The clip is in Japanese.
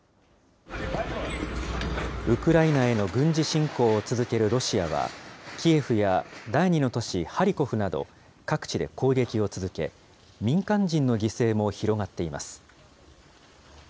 ウクライナへの軍事侵攻を続けるロシアは、キエフや第２の都市ハリコフなど、各地で攻撃を続け、民間人の犠牲も広がっています。